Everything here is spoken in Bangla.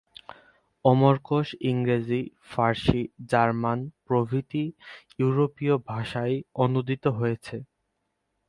অমরকোষ ইংরেজি, ফার্সি, জার্মান প্রভৃতি ইউরোপীয় ভাষায় অনূদিত হয়েছে।